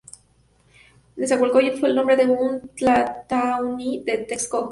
Nezahualcóyotl fue el nombre de un tlatoani de Texcoco.